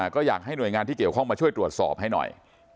ก็อยากให้หน่วยงานที่เกี่ยวข้องมาช่วยตรวจสอบให้หน่อย